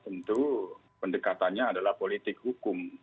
tentu pendekatannya adalah politik hukum